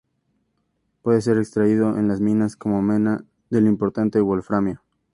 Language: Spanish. Puede ser extraído en las minas como mena del importante wolframio.